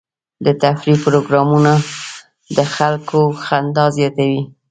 د تفریح پروګرامونه د خلکو خندا زیاتوي.